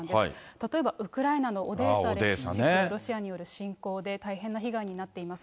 例えばウクライナのオデーサ地区、ロシアによる侵攻で大変な被害になっています。